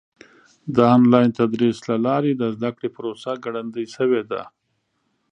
د آنلاین تدریس له لارې د زده کړې پروسه ګړندۍ شوې ده.